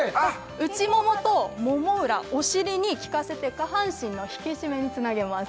内ももともも裏お尻に効かせて下半身の引き締めにつなげます